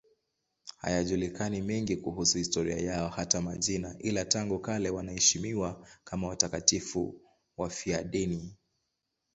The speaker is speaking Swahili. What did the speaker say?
Hayajulikani mengine kuhusu historia yao, hata majina, ila tangu kale wanaheshimiwa kama watakatifu wafiadini.